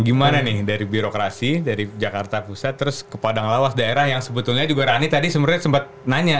gimana nih dari birokrasi dari jakarta pusat terus ke padang lawas daerah yang sebetulnya juga rani tadi sebenarnya sempat nanya